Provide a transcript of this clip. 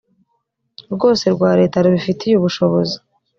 rwose rwa leta rubifitiye ubushobozi